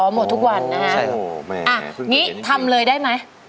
หมวดทุกวันอ๋อหมวดทุกวันอ๋อใช่ครับนี่ทำเลยได้ไหม